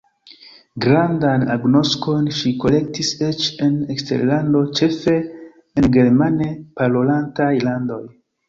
Grandan agnoskon ŝi kolektis eĉ en eksterlando, ĉefe en germane parolantaj landoj.